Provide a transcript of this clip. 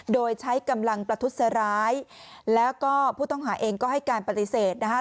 โดยใช้กำลังประทุษร้ายแล้วก็ผู้ต้องหาเองก็ให้การปฏิเสธนะคะ